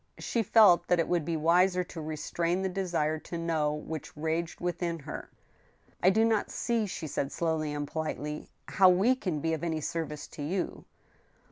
She felt that it would be wiser to restrain the desire to know which raged within her. " I do not see," she said slowly and politely, " how we can be of any service to you.